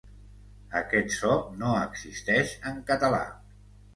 Aquest so no existeix en català.